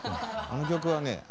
あの曲はね